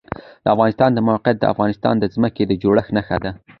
د افغانستان د موقعیت د افغانستان د ځمکې د جوړښت نښه ده.